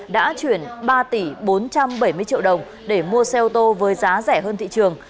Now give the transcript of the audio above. đã chuyển ba tỷ bốn trăm bảy mươi triệu đồng để mua xe ô tô với giá rẻ hơn thị trường